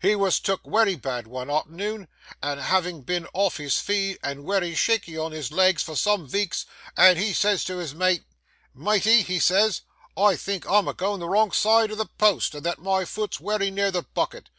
He wos took wery bad one arternoon, arter having been off his feed, and wery shaky on his legs for some veeks; and he says to his mate, "Matey," he says, "I think I'm a goin' the wrong side o' the post, and that my foot's wery near the bucket.